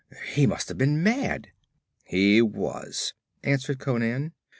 He must have been mad!' 'He was,' answered Conan.